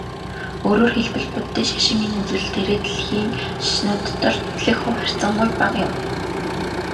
Өөрөөр хэлбэл, буддын шашин энэ үзүүлэлтээрээ дэлхийн шашнууд дотор эзлэх хувь харьцангуй бага юм.